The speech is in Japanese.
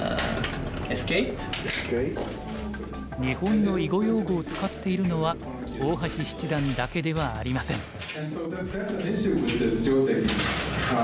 日本の囲碁用語を使っているのは大橋七段だけではありません。